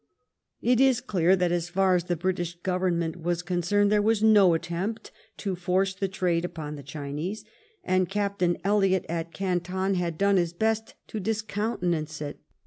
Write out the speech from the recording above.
It is clear that as far as the British Government was concerned there was no attempt to force the trade upon the Chinese, and Captain Elliot at Canton had done his •best to discountenance it.